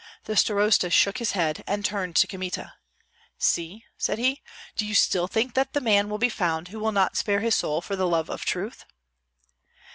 The starosta shook his head, and turned to Kmita, "See," said he, "do you still think that the man will be found who will not spare his soul for the love of truth?"